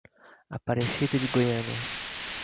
Aparecida de Goiânia